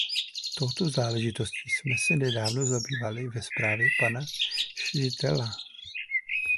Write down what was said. Touto záležitostí jsme se nedávno zabývali ve zprávě pana Schlytera.